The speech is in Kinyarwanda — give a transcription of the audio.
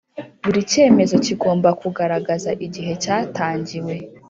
Buri cyemezo kigomba kugaragaza igihe cyatangiwe